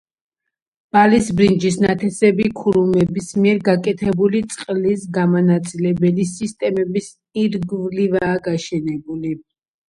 ბალის ბრინჯის ნათესები ქურუმების მიერ გაკეთებული წყლის გამანაწილებელი სისტემების ირგვლივაა გაშენებული.